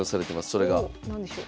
それが何でしょう？